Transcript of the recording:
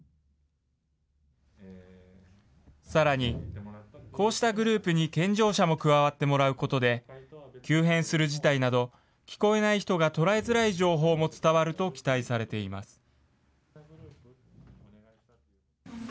さらに、こうしたグループに健常者も加わってもらうことで、急変する事態など、聞こえない人が捉えづらい情報も伝わると期待されています。